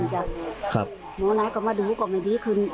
หรืออะไรก็มาดูก็ไม่ดีคืน